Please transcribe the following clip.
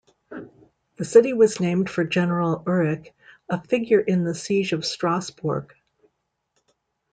The city was named for General Uhrich, a figure in the Siege of Strasbourg.